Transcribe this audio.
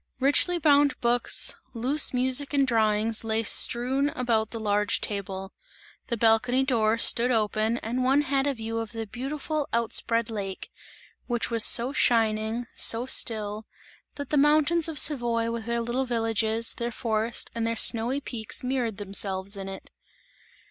Richly bound books, loose music and drawings lay strewn about the large table; the balcony door stood open and one had a view of the beautiful out spread lake, which was so shining, so still, that the mountains of Savoy with their little villages, their forest and their snowy peaks mirrored themselves in it.